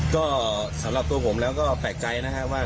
ก็สำหรับตัวผมแล้วก็แปลกใจนะครับว่า